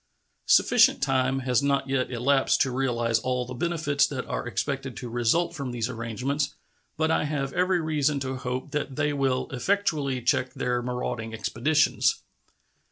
Sufficient time has not yet elapsed to realize all the benefits that are expected to result from these arrangements, but I have every reason to hope that they will effectually check their marauding expeditions.